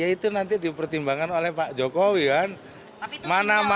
ya itu nanti dipertimbangkan oleh pak jokowi kan